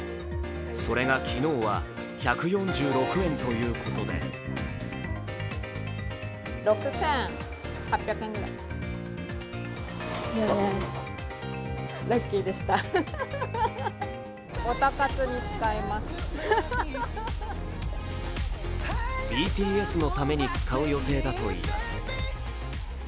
それが昨日は１４６円ということでＢＴＳのために使う予定だといいます。